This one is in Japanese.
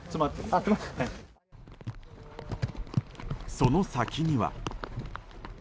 その先には。